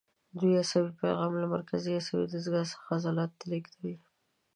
دوی عصبي پیغام له مرکزي عصبي دستګاه څخه عضلاتو ته لېږدوي.